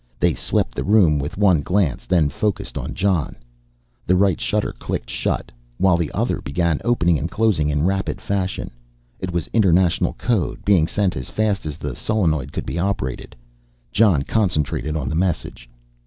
They swept the room with one glance then focused on Jon. The right shutter clicked shut while the other began opening and closing in rapid fashion. It was International code being sent as fast as the solenoid could be operated. Jon concentrated on the message.